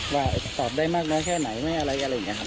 ว่าตอบได้มากน้อยแค่ไหนไหมอะไรอะไรอย่างนี้ครับ